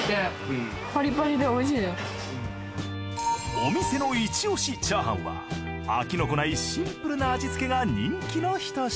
お店のイチオシチャーハンは飽きのこないシンプルな味付けが人気のひと品。